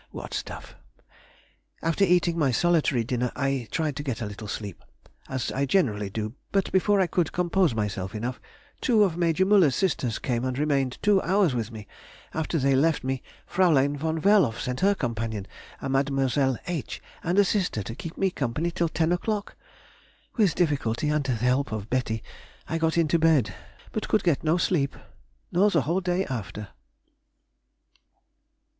What stuff! After eating my solitary dinner I tried to get a little sleep, as I generally do, but before I could compose myself enough, two of Major Müller's sisters came and remained two hours with me; after they left me, Fraulein von Werloff sent her companion, a Mademoiselle H., and a sister, to keep me company till ten o'clock. With difficulty, and the help of Betty, I got into bed, but could get no sleep, nor the whole day after.